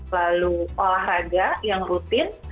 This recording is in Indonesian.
lalu olahraga yang rutin